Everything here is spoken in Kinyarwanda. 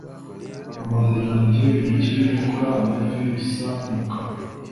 amaguru yanjye, intoki, inkokora, amavi bisa umukara